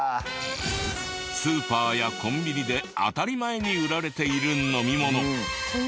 スーパーやコンビニで当たり前に売られている飲み物。